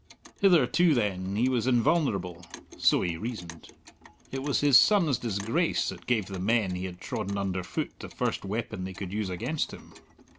Hitherto, then, he was invulnerable so he reasoned. It was his son's disgrace that gave the men he had trodden under foot the first weapon they could use against him.